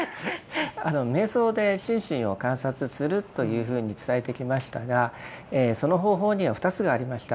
瞑想で心身を観察するというふうに伝えてきましたがその方法には２つがありました。